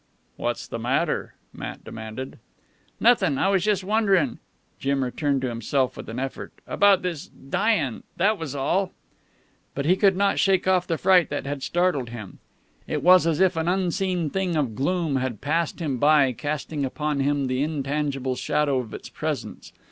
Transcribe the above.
"What's the matter!" Matt demanded. "Nothin'. I was just wonderin'" Jim returned to himself with an effort "about this dyin', that was all." But he could not shake off the fright that had startled him. It was as if an unseen thing of gloom had passed him by, casting upon him the intangible shadow of its presence.